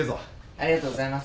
ありがとうございます。